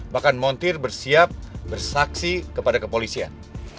bahkan montir bersiap bersaksi kepada kepolisian